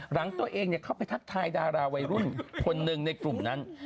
หลังตัวเองเข้าไปทักทายดาราวัยรุ่นคนหนึ่งในกลุ่มนั้น